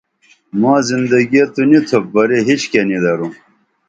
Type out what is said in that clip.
ماں زندگیہ تو نی تُھوپ ورے ہچکیہ نی درو